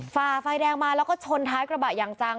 ฝ่าไฟแดงมาแล้วก็ชนท้ายกระบะอย่างจัง